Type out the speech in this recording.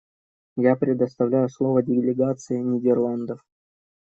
Я предоставляю слово делегации Нидерландов.